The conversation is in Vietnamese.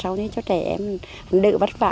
sau đó cho trẻ em đỡ bắt vạ